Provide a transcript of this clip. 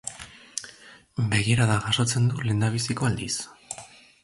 Begirada jasotzen du lehendabiziko aldiz.